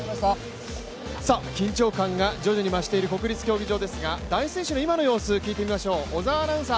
緊張感が徐々に増している国立競技場ですが男子選手の今の様子を聞いてみましょう。